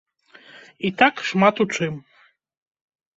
І так шмат у чым.